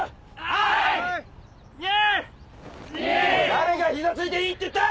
誰が膝ついていいって言った！？